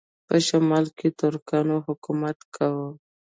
په شمال کې ترکانو حکومت کاوه.